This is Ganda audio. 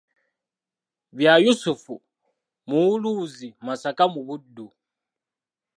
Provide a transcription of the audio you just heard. Bya Yusuf Muwuluzi Masaka mu Buddu